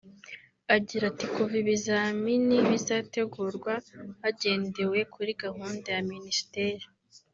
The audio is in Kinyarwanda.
Agira ati “Kuva ibizamini bizategurwa hagendewe kuri gahunda ya minisiteri